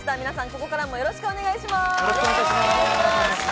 皆さん、ここからもよろしくお願いします。